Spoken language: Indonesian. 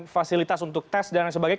fasilitas untuk tes dan lain sebagainya